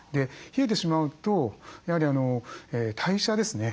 冷えてしまうとやはり代謝ですね